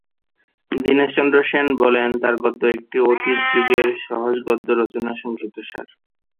দীনেশ চন্দ্র সেন বলেন তার গদ্য একটি 'অতীত যুগের সহজ গদ্য রচনার সংক্ষিপ্তসার'।